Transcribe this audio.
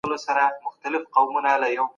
هغه خپله پوهنه په خپل عمر کي نورو ته وښوول.